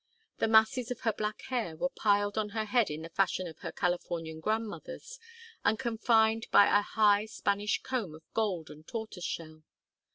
The masses of her black hair were piled on her head in the fashion of her Californian grandmothers, and confined by a high Spanish comb of gold and tortoise shell.